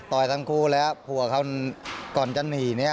ทั้งคู่แล้วผัวเขาก่อนจะหนีเนี่ย